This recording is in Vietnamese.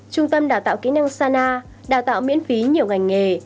trung tâm đào tạo kỹ năng sana đào tạo miễn phí nhiều ngành nghề